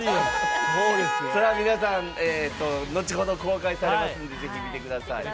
皆さん、後ほど公開されますんでぜひ、見てください。